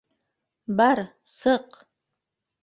— Бар, сыҡ!